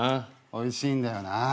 おいしいんだよな。